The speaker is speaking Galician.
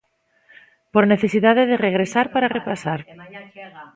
Por necesidade de regresar para repasar.